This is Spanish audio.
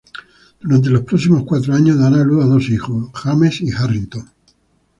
Durante los próximos cuatro años, dará a luz a dos hijos: James y Harrington.